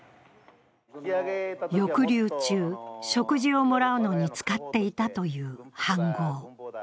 抑留中、食事をもらうのに使っていたという飯ごう。